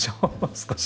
少し。